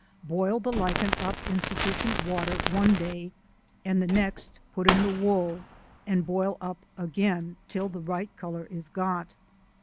Boil the Lichen up in sufficient water one day, and the next put in the wool, and boil up again till the right colour is got.